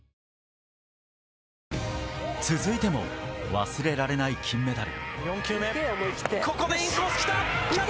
続いても、忘れられない金メダル。